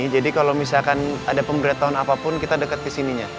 jadi kalau misalkan ada pemberian tahun apapun kita dekat ke sininya